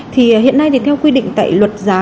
thì hiện nay thì theo quy định tại luật giá